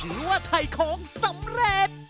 หรือว่าไถ่ของสำเร็จ